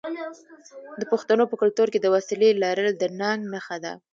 د پښتنو په کلتور کې د وسلې لرل د ننګ نښه ده.